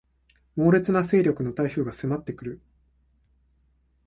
猛烈な勢力の台風が迫ってくる